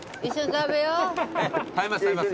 食べます食べます。